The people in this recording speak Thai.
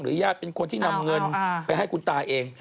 ญาติเป็นคนที่นำเงินไปให้คุณตาเอง